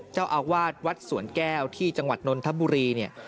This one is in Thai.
เจ้าอาวาสวัดสวนแก้วที่จังหวัดนนทบุรีเนี่ย